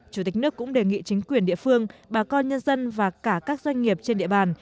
chủ tịch nước cũng đề nghị chính quyền địa phương bà con nhân dân và cả các doanh nghiệp trên địa bàn